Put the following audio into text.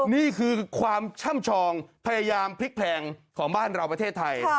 นี่คือความช่ำชองพยายามพลิกแพลงของบ้านเราประเทศไทย